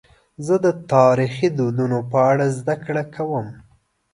زه د تاریخي دودونو په اړه زدهکړه کوم.